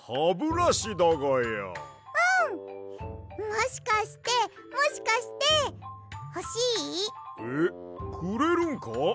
もしかしてもしかしてほしい？えっくれるんか？